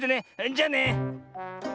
じゃあね。